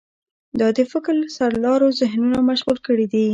دا د فکر سرلارو ذهنونه مشغول کړي دي.